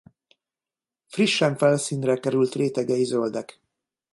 Frissen felszínre került rétegei zöldek.